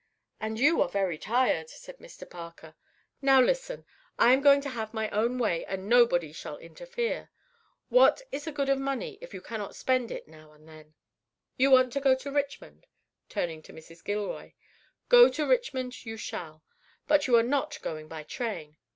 "And you are very tired," said Mr. Parker. "Now listen; I am going to have my own way, and nobody shall interfere. What is the good of money if you cannot spend it now and then? You want to go to Richmond?" turning to Mrs. Gilroy, "Go to Richmond you shall, but you are not going by train.